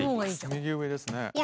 右上ですねえ。